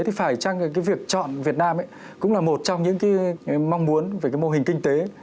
thì phải chăng việc chọn việt nam cũng là một trong những mong muốn về mô hình kinh tế